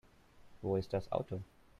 Wo ist das Auto?